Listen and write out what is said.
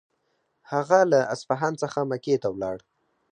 هغه له اصفهان څخه مکې ته ولاړ.